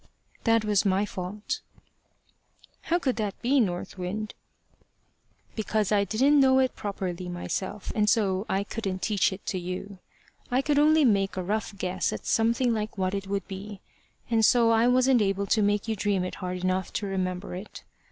"That was my fault." "How could that be, North Wind?" "Because I didn't know it properly myself, and so I couldn't teach it to you. I could only make a rough guess at something like what it would be, and so I wasn't able to make you dream it hard enough to remember it.